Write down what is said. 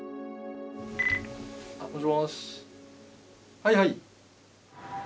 はいはい。